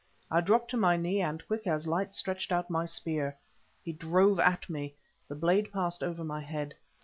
—I dropped to my knee, and quick as light stretched out my spear. He drove at me: the blade passed over my head.